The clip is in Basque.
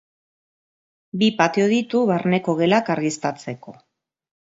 Bi patio ditu barneko gelak argiztatzeko.